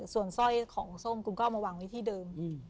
ส่วนสร้อยของส้มคุณก็เอามาวางไว้ที่เดิม